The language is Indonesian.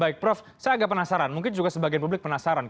baik prof saya agak penasaran mungkin juga sebagian publik penasaran